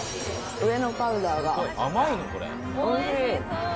上のパウダーが、おいしい！